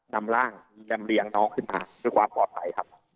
นำร่างลำเลียงน้องขึ้นมาเพื่อความปลอดภัยครับ